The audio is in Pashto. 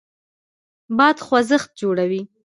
باد خوځښت جوړوي.